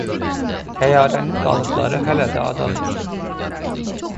Təyyarənin qalıqları hələ də adadır.